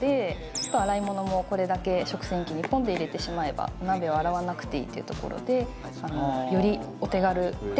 あと洗い物もこれだけ食洗器にポンって入れてしまえばお鍋を洗わなくていいっていうところで。